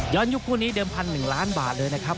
ย้อนยุคคู่นี้เดิมพันหนึ่งล้านบาทเลยนะครับ